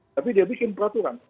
tapi dia bikin peraturan